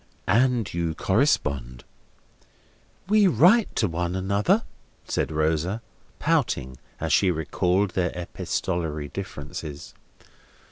And you correspond." "We write to one another," said Rosa, pouting, as she recalled their epistolary differences.